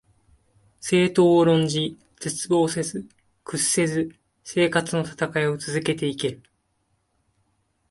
政党を論じ、絶望せず、屈せず生活のたたかいを続けて行ける